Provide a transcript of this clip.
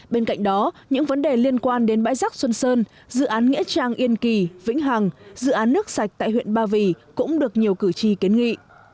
bên cạnh đó những vấn đề liên quan đến bãi rác xuân sơn dự án nghĩa trang yên kỳ vĩnh hằng dự án nước sạch tại huyện ba vì cũng được nhiều cử tri kiến nghị